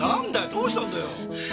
どうしたんだよ？